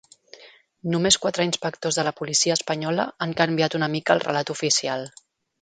Només quatre inspectors de la policia espanyola han canviat una mica el relat oficial